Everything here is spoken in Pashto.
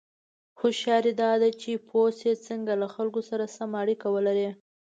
هوښیاري دا ده چې پوه شې څنګه له خلکو سره سمه اړیکه ولرې.